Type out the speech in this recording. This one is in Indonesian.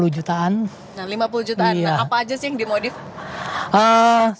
nah lima puluh jutaan apa aja sih yang dimodifikasi